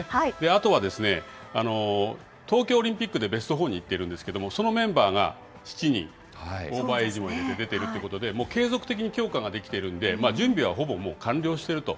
あとは東京オリンピックでベストフォーにいってるんですけど、そのメンバーが７人、オーバーエージも入れて出ているということで、継続的に強化ができてるんで、準備はほぼ完了していると。